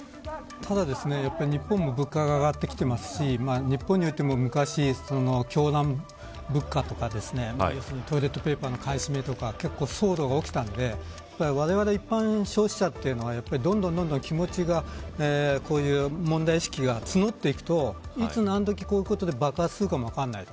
ただ日本も物価が上がってきていますし日本においても昔トイレットペーパーの買い占めとか結構、騒動が起きたのでわれわれ一般消費者というのはどんどん気持ちがこういう問題意識がつのっていくといつなんどき、こういうことで爆発するか分からない。